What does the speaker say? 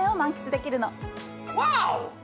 ワオ！